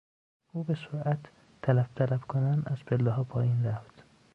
او به سرعت تلپ تلپ کنان از پلهها پایین رفت.